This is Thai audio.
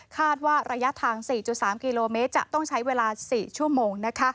ระยะทาง๔๓กิโลเมตรจะต้องใช้เวลา๔ชั่วโมง